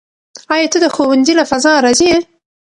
آیا ته د ښوونځي له فضا راضي یې؟